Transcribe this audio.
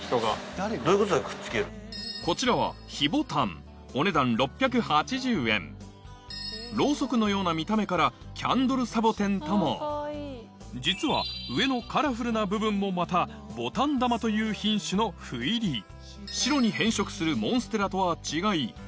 こちらはろうそくのような見た目からとも実は上のカラフルな部分もまた牡丹玉という品種の斑入り白に変色するモンステラとは違い